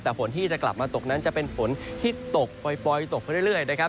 แต่ฝนที่จะกลับมาตกนั้นจะเป็นฝนที่ตกปล่อยตกไปเรื่อยนะครับ